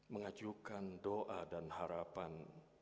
mengajukan doa dan harapan